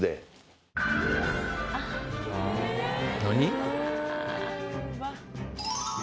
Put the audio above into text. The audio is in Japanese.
何？